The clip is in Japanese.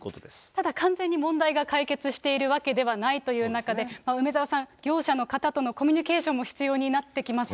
ただ、完全に問題が解決しているわけではないという中で、梅沢さん、業者の方とのコミュニケーションも必要になってきますよね。